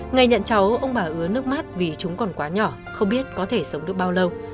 ngày nhận cháu ông bà ứa nước mắt vì chúng còn quá nhỏ không biết có thể sống được bao lâu